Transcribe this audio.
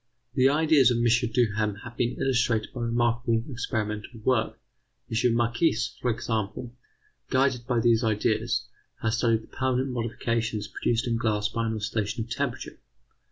The ideas of M. Duhem have been illustrated by remarkable experimental work. M. Marchis, for example, guided by these ideas, has studied the permanent modifications produced in glass by an oscillation of temperature.